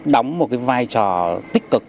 đóng một vai trò tích cực